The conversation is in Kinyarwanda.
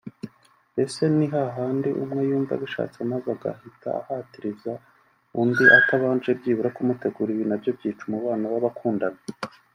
mbese ni hahandi umwe yumva abishatse maze agahita ahatiriza undi atabanje byibura kumutegura ibi nabyo byica umubano wabakundana